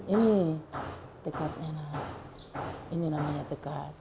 ini tekadnya ini namanya tekad